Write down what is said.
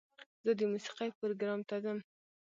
زه د موسیقۍ پروګرام ته ځم.